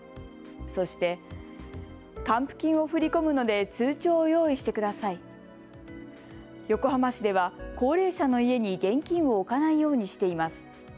そして還付金を振り込むので通帳を用意してください、横浜市では高齢者の家に現金を置かないようにしています。